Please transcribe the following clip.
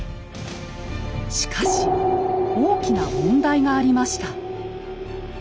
しかし大きな問題がありました。